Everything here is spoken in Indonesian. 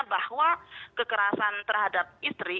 bahwa kekerasan terhadap istri